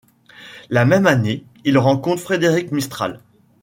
La même année, il rencontre Frédéric Mistral.